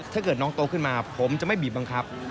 ถ้าเกิดน้องโตขึ้นมาผมจะไม่บีบบังคับ